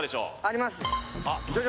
あります